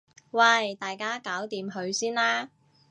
喂大家搞掂佢先啦